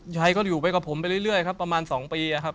ยายก็อยู่ไปกับผมไปเรื่อยครับประมาณ๒ปีครับ